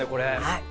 はい。